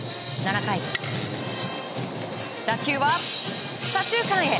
７回、打球は左中間へ。